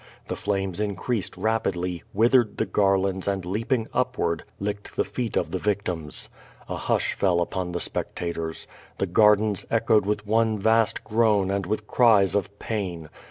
The flames increased rapidly, withered the garlands and leaping upward licked the feet of the victims A hush fell upon the spectators. The gardens echoed with one vast groan and with cries of pain.